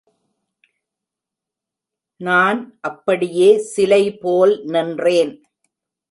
நான் அப்படியே சிலை போல் நின்றேன்!